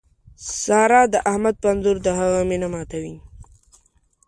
سارا د احمد په انځور د هغه مینه ماتوي.